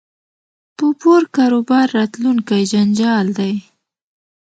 په پور کاروبار راتلونکی جنجال دی